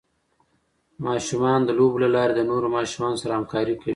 ماشومان د لوبو له لارې د نورو ماشومانو سره همکاري کوي.